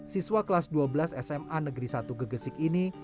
siswa kelas dua belas sma negeri satu gegesik ini